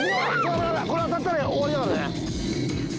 危ない危ないこれ当たったら終わりだからね